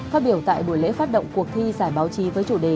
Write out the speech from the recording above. phát biểu tại buổi lễ phát động cuộc thi giải báo chí với chủ đề